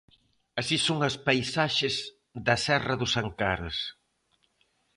Así son as paisaxes da serra dos Ancares.